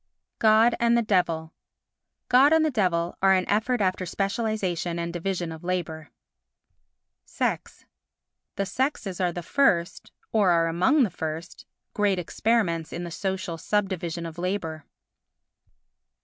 God and the Devil God and the Devil are an effort after specialisation and division of labour. Sex The sexes are the first—or are among the first great experiments in the social subdivision of labour.